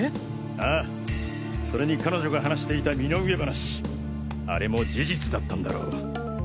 ああそれに彼女が話していた身の上話あれも事実だったんだろう。